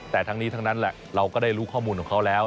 แต่ทั้งนี้ทั้งนั้นแหละเราก็ได้รู้ข้อมูลของเขาแล้ว